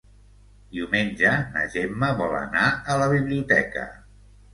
Diumenge na Gemma vol anar a la biblioteca.